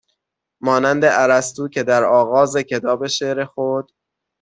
مانند ارسطو که در آغاز کتاب شعر خود